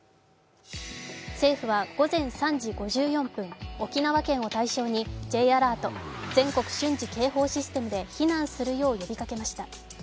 政府は午前３時５４分、沖縄県を対象にＪアラート＝全国瞬時警報システムで避難するよう、呼びかけました